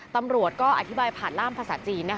ตำรวจก็อธิบายผ่านร่ามภาษาจีน